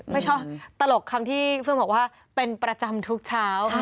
ไม่ชอบตลกคำที่เฟื่องบอกว่าเป็นประจำทุกเช้า